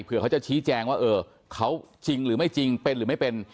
เพื่อเขาจะชี้แจงว่าเออเขาจริงหรือไม่จริงเป็นหรือไม่เป็น